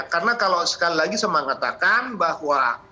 karena kalau sekali lagi saya mengatakan bahwa